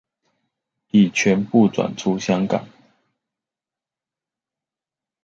已全部轉出香港